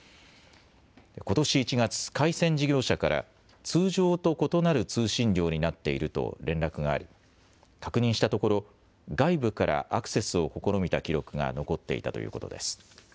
ことし１月、回線事業者から通常と異なる通信量になっていると連絡があり確認したところ、外部からアクセスを試みた記録が残っていたということです。